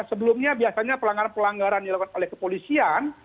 sebelumnya biasanya pelanggaran pelanggaran dilakukan oleh kepolisian